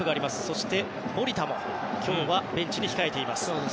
そして守田も今日はベンチに控えています。